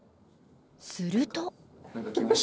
すると。